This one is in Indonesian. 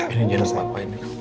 ini jelas ngapain ya